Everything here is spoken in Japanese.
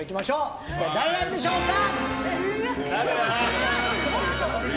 誰なんでしょうか！